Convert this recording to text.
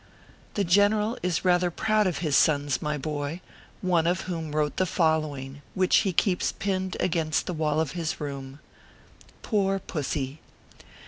The general is rather proud of his sons, my boy, one of whom wrote the following, whk;h he keeps pinned against the wall of his room : POOR PUSSY.